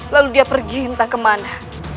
lalu dia pergi entah kemana